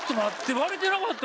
割れてなかった。